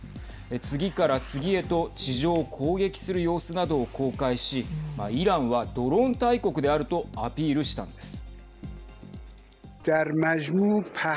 次から次へと地上を攻撃する様子などを公開しイランは、ドローン大国であるとアピールしたんです。